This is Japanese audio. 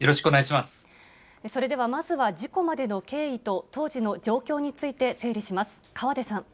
それではまずは事故までの経緯と、当時の状況について整理します。